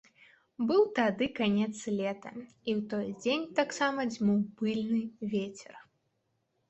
Быў тады канец лета, і ў той дзень таксама дзьмуў пыльны вецер.